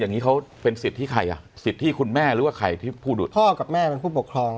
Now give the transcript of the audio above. อย่างนี้เขาเป็นสิทธิใครน่ะสิทธิคุณแม่หรือเป็นใครที่พ่อกับแม่เป็น